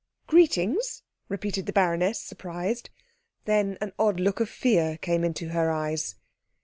"Greetings?" repeated the baroness, surprised. Then an odd look of fear came into her eyes.